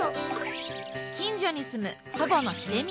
近所に住む祖母の日出美さん。